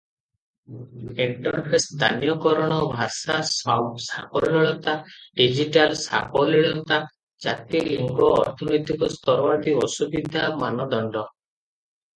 Interface ସ୍ଥାନୀୟକରଣ, ଭାଷା ସାବଲୀଳତା, digital ସାବଲୀଳତା, ଜାତି, ଲିଙ୍ଗ, ଅର୍ଥନୈତିକ ସ୍ତର ଆଦି ଅସୁବିଧା ମାନଦଣ୍ଡ ।